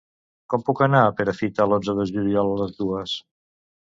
Com puc anar a Perafita l'onze de juliol a les dues?